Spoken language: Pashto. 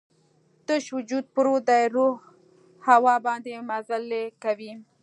تش وجود پروت دی، روح هوا باندې مزلې کوي